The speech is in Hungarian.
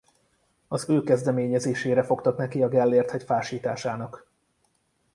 Az ő kezdeményezésére fogtak neki a Gellérthegy fásításának.